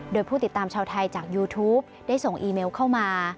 โดยผู้ติดตามชาวไทยจากยูทูปได้ส่งอีเมลเข้ามา